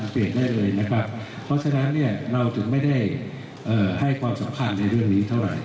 เปลี่ยนได้เลยนะครับเพราะฉะนั้นเนี่ยเราถึงไม่ได้ให้ความสำคัญในเรื่องนี้เท่าไหร่